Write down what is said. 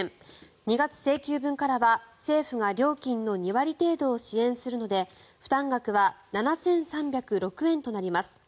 ２月請求分からは政府が料金の２割程度を支援するので負担額は７３０６円となります。